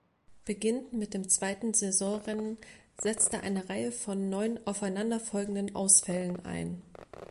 Beginnend mit dem zweiten Saisonrennen, setzte eine Reihe von neun aufeinanderfolgenden Ausfällen ein.